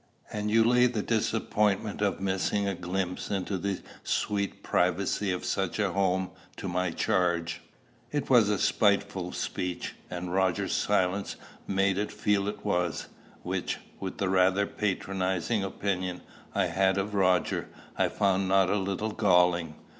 "And you lay the disappointment of missing a glimpse into the sweet privacy of such a home to my charge?" It was a spiteful speech; and Roger's silence made me feel it was, which, with the rather patronizing opinion I had of Roger, I found not a little galling.